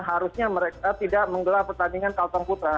harusnya mereka tidak menggelar pertandingan disana